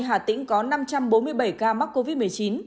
hà tĩnh có năm trăm bốn mươi bảy ca mắc covid một mươi chín